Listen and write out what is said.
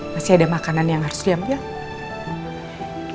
masih ada makanan yang harus diam diam